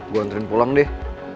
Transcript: gue anterin pulang deh